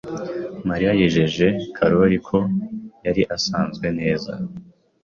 Mariya yijeje Karoli ko yari asanzwe neza.